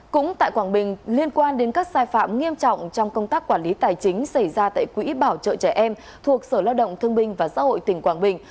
cũng tại quảng bình liên quan đến các sai phạm nghiêm trọng trong công tác quản lý tài chính xảy ra tại quỹ bảo trợ trẻ em thuộc sở lao động thương binh và xã hội tỉnh quảng bình